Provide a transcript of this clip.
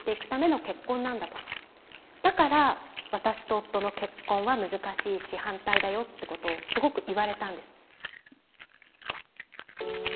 だから私と夫の結婚は難しいし反対だよってことをすごく言われたんです。